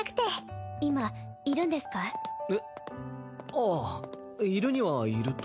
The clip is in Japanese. あぁいるにはいると。